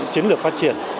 chiến lược phát triển